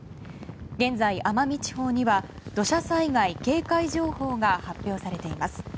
現在、奄美地方には土砂災害警戒情報が発表されています。